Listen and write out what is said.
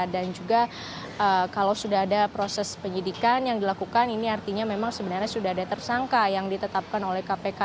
dan juga kalau sudah ada proses penyidikan yang dilakukan ini artinya memang sebenarnya sudah ada tersangka yang ditetapkan oleh kpk